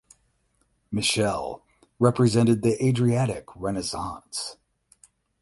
Michele represented the Adriatic renaissance.